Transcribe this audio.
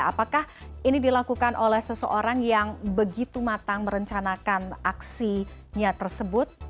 apakah ini dilakukan oleh seseorang yang begitu matang merencanakan aksinya tersebut